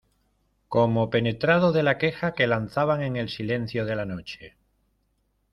como penetrado de la queja que lanzaban en el silencio de la noche.